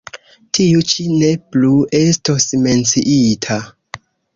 Tiu ĉi ne plu estos menciita.